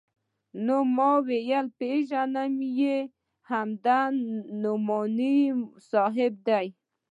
نو ومې ويل پېژنم يې همدا نعماني صاحب دى.